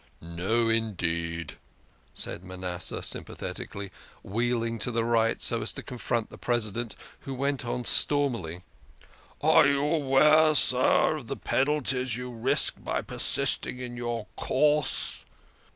" No, indeed," said Manasseh sympathetically, wheeling to the right so as to confront the President, who went on stormily, " Are you aware, sir, of the penalties you risk by persisting in your course